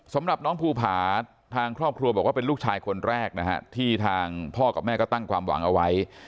สำหรับน้องภูผาทางครอบครัวบอกว่าเป็นลูกชายคนแรกนะฮะที่ทางพ่อกับแม่ก็ตั้งความหวังเอาไว้